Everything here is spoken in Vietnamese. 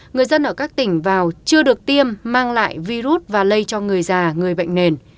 người dân ở các tỉnh vào chưa được tiêm mang lại virus và lây cho người già người bệnh nền